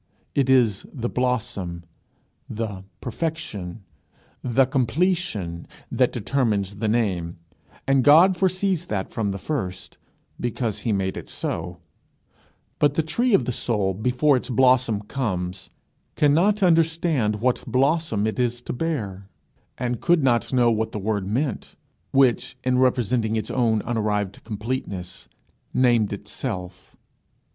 It is the blossom, the perfection, the completion, that determines the name; and God foresees that from the first, because he made it so; but the tree of the soul, before its blossom comes, cannot understand what blossom it is to bear, and could not know what the word meant, which, in representing its own unarrived completeness, named itself.